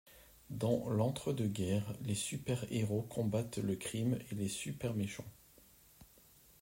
Dans l'entre-deux guerres, les super-héros combattent le crime et les super-méchants.